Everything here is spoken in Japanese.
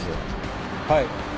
はい。